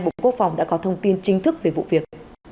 bộ quốc phòng đã có thông tin chính thức về vụ việc